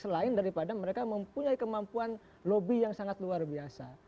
selain daripada mereka mempunyai kemampuan lobby yang sangat luar biasa